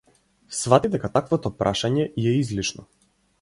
Сфати дека таквото прашање ѝ е излишно.